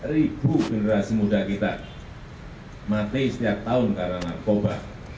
lima ribu generasi muda kita mati setiap tahun karena narkoba